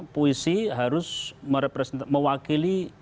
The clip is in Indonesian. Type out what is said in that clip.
puisi harus mewakili